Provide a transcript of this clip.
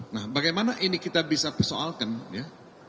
nah bagaimana ini kita bisa persoalkan ya